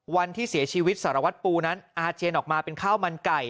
วันที่เสียชีวิตสารวัตรปูนั้นอาเจียนออกมาเป็นข้าวมันไก่